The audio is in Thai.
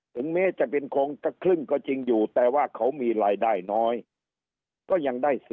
ถึงแม้จะเป็นโครงครึ่งก็จริงอยู่แต่ว่าเขามีรายได้น้อยก็ยังได้สิ